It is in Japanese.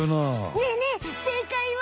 ねえねえ正解は？